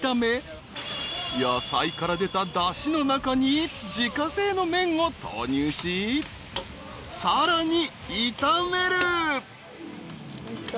［野菜から出ただしの中に自家製の麺を投入しさらに炒める］